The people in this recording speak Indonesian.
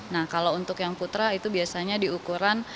nah kalau untuk yang putra itu biasanya diukuran